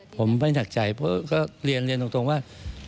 ผมไม่หนักใจเพราะก็เรียนตรงว่า